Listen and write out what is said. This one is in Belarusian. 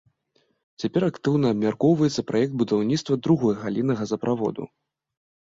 Цяпер актыўна абмяркоўваецца праект будаўніцтва другой галіны газаправоду.